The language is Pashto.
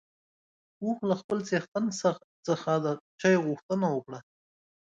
اوښ له خپل څښتن څخه د چای غوښتنه وکړه.